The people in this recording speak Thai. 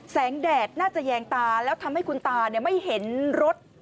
แดดน่าจะแยงตาแล้วทำให้คุณตาไม่เห็นรถ